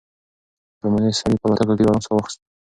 کمونيسټ سړي په الوتکه کې د ارام ساه واخيسته.